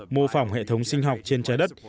mô phỏng hệ thống sinh học trên trái đất